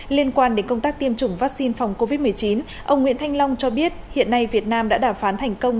liên quan đến công tác tiêm chủng vaccine phòng covid một mươi chín ông nguyễn thanh long cho biết hiện nay việt nam đã đàm phán thành công